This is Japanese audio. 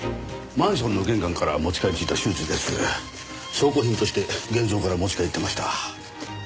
証拠品として現場から持ち帰ってました。